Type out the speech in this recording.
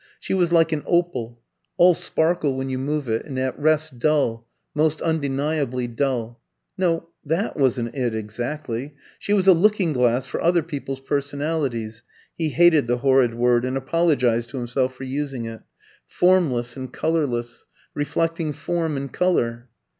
She was like an opal all sparkle when you move it, and at rest dull, most undeniably dull. No, that wasn't it exactly. She was a looking glass for other people's personalities (he hated the horrid word, and apologised to himself for using it), formless and colourless, reflecting form and colour.